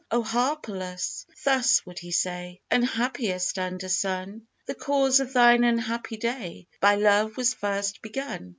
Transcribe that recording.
"O Harpalus," thus would he say "Unhappiest under sun, The cause of thine unhappy day By love was first begun!...